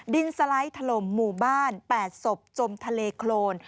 ดินสไลด์ถล่มหมู่บ้าน๘ศพจมทะเลโครน